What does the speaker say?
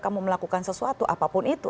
kamu melakukan sesuatu apapun itu